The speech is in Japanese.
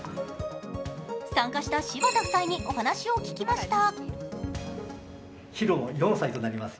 参加した柴田夫妻にお話を聞きました。